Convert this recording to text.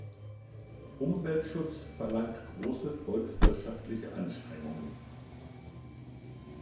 Umweltschutz verlangt große volkswirtschaftliche Anstrengungen.